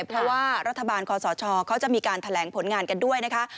เพราะว่ารัฐบาลคอสชเขาจะมีการแถลงผลงานกันด้วยนะคะ